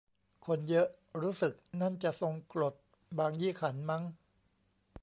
คนเยอะ รู้สึกนั่นจะ ทรงกลด บางยี่ขัน มั๊ง